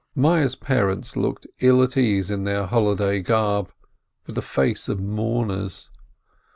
Meyerl's parents looked ill at ease in their holiday garb, with the faces of mourners.